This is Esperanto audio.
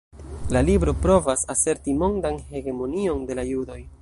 La libro provas aserti mondan hegemonion de la judoj.